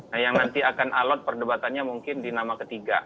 nah yang nanti akan alot perdebatannya mungkin di nama ketiga